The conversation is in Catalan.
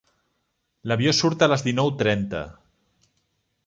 L'avió surt a les dinou trenta.